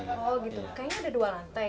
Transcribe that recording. oh gitu kayaknya ada dua lantai